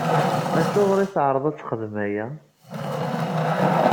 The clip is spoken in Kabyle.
Acuɣer i teɛreḍ ad texdem aya?